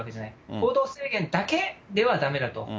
行動制限だけではだめだと。